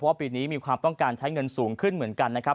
ปีนี้มีความต้องการใช้เงินสูงขึ้นเหมือนกันนะครับ